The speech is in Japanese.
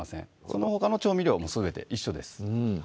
そのほかの調味料はもうすべて一緒です